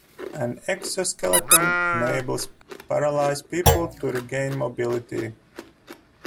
An exo-skeleton enables paralyzed people to regain mobility.